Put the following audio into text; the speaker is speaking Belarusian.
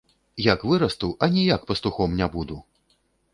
Як вырасту, аніяк пастухом не буду!